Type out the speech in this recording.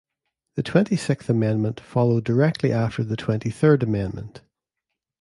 The Twenty-sixth Amendment followed directly after the Twenty-third Amendment.